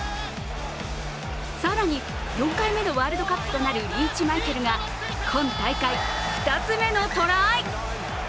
更に、４回目のワールドカップとなるリーチマイケルが今大会２つ目のトライ。